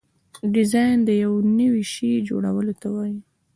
ډیزاین د یو نوي شي جوړولو ته وایي.